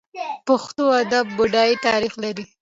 پښتو ادب بډای تاریخ لري.